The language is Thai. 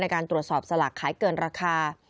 การตรวจสอบสลากขายเกินราคา